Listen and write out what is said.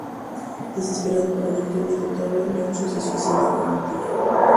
Desesperado por haber perdido todo, Leoncio se suicida con un tiro.